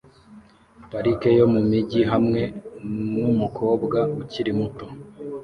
Parike yo mumijyi hamwe numukobwa ukiri muto